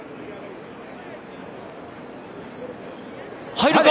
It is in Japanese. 入るか！